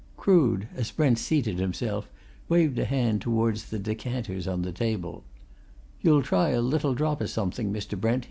Crood, as Brent seated himself, waved a hand towards the decanters on the table. "You'll try a little drop o' something, Mr. Brent?"